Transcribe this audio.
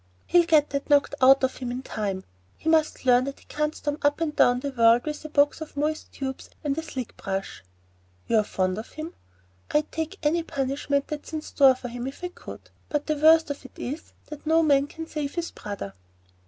"He'll get that knocked out of him in time. He must learn that he can't storm up and down the world with a box of moist tubes and a slick brush. You're fond of him?" "I'd take any punishment that's in store for him if I could; but the worst of it is, no man can save his brother."